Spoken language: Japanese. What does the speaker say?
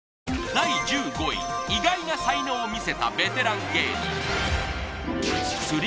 第１５位意外な才能を見せたベテラン芸人